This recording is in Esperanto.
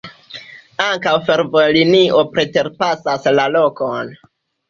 Ankaŭ fervojlinio preterpasas la lokon.